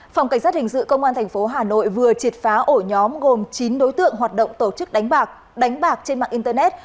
phòng cảnh sát hình sự công an tp hà nội vừa triệt phá ổ nhóm gồm chín đối tượng hoạt động tổ chức đánh bạc đánh bạc trên mạng internet